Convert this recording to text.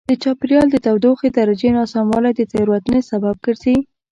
د چاپېریال د تودوخې درجې ناسموالی د تېروتنې سبب ګرځي.